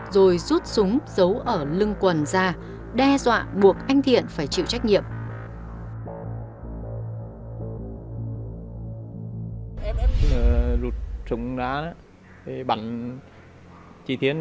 rồi rút súng giấu ở lưng quần ra đe dọa buộc anh thiện phải chịu trách nhiệm